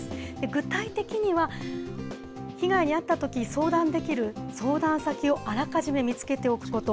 具体的には、被害に遭ったとき、相談できる相談先を、あらかじめ見つけておくこと。